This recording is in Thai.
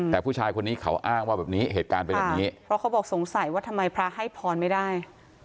แต่ผู้ชายคนนี้เขาอ้างว่าแบบนี้เหตุการณ์เป็นแบบนี้เพราะเขาบอกสงสัยว่าทำไมพระให้พรไม่ได้